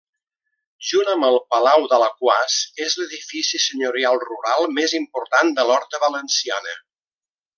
Junt amb el Palau d'Alaquàs és l'edifici senyorial rural més important de l'horta valenciana.